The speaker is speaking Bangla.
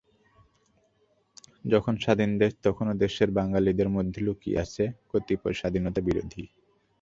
যখন স্বাধীন দেশ, তখনো দেশের বাঙালিদের মধ্যে লুকিয়ে আছে কতিপয় স্বাধীনতা বিরোধী।